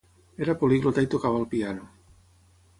Era poliglota i tocava el piano.